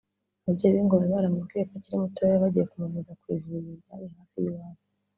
Ababyeyi be ngo bari baramubwiye ko akiri mutoya bagiye kumuvuza ku ivuriro ryari hafi y’iwabo